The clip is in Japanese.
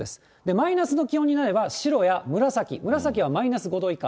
マイナスの気温になれば、白や紫、紫はマイナス５度以下。